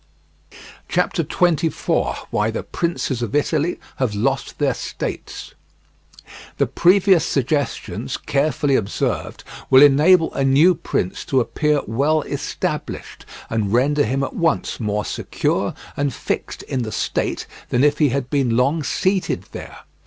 CHAPTER XXIV. WHY THE PRINCES OF ITALY HAVE LOST THEIR STATES The previous suggestions, carefully observed, will enable a new prince to appear well established, and render him at once more secure and fixed in the state than if he had been long seated there.